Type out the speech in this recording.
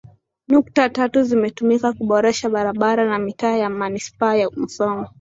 nukta tatu zimetumika kuboresha barabara na mitaa ya Manispaa ya Musoma